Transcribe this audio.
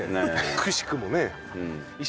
くしくもね。